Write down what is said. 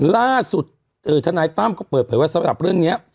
ล่าสุดธนายตั้มก็เปิดเผยว่าสำหรับเรื่องนี้